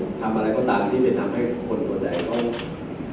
สมมุติความคิดข้างหน้าต้องเปลี่ยนเขาเป็นในการจัดตรงนี้